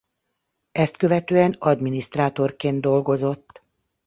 Ezt követően adminisztrátorként dolgozott.